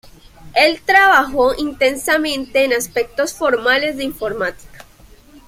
El trabajó intensamente en aspectos formales de informática.